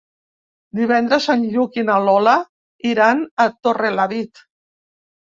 Divendres en Lluc i na Lola iran a Torrelavit.